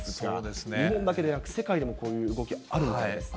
日本だけでなく、世界でもこういう動きあるみたいですね。